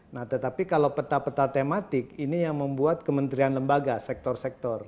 nah tetapi kalau peta peta tematik ini yang membuat kementerian lembaga sektor sektor